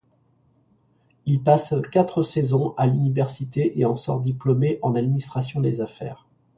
Il passe quatre saisons à l'université et en sort diplômé en administration des affaires.